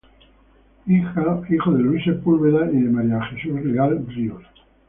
Hijo de Luis Sepúlveda y de María Jesús Leal Ríos.